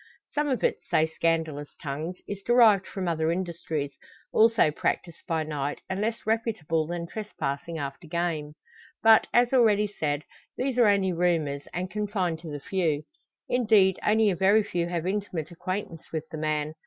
Some of it, say scandalous tongues, is derived from other industries, also practised by night, and less reputable than trespassing after game. But, as already said, these are only rumours, and confined to the few. Indeed, only a very few have intimate acquaintance with the man.